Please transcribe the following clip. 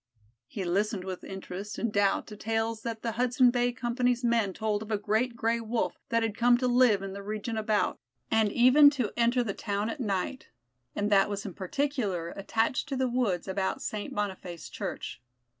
He listened with interest and doubt to tales that the Hudson Bay Company's men told of a great Gray wolf that had come to live in the region about, and even to enter the town at night, and that was in particular attached to the woods about St. Boniface Church.